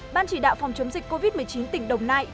ban chỉ đạo phòng chống dịch covid một mươi chín tỉnh đồng nai